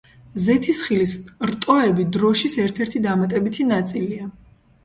ზეთისხილის რტოები დროშის ერთ-ერთი დამატებითი ნაწილია.